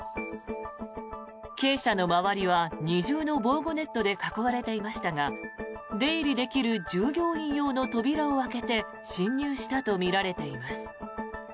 鶏舎の周りは二重の防護ネットで囲われていましたが出入りできる従業員用の扉を開けて侵入したとみられています。